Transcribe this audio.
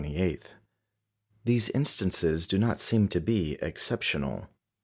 These instances do not seem to be exceptional.